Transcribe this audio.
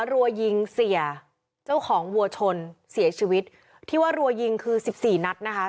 รัวยิงเสียเจ้าของวัวชนเสียชีวิตที่ว่ารัวยิงคือสิบสี่นัดนะคะ